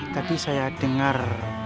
tadi saya dengar